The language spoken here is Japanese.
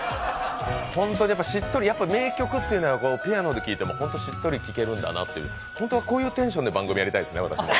本当にしっとり、やっぱ名曲ってピアノで聴いても本当にしっとり聴けるだなというこういうテンションで番組やりたいですね、私も。